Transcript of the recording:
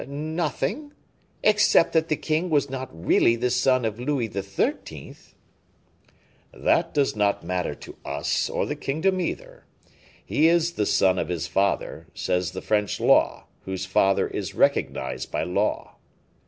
"Nothing; except that the king was not really the son of Louis XIII." "That does not matter to us, or the kingdom either; he is the son of his father, says the French law, whose father is recognized by law."